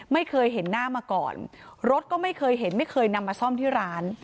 ไม่เคยเห็นหน้ามาก่อนรถก็ไม่เคยเห็นไม่เคยนำมาซ่อมที่ร้าน